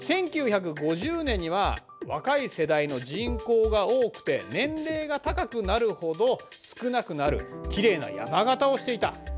１９５０年には若い世代の人口が多くて年齢が高くなるほど少なくなるきれいな山型をしていた。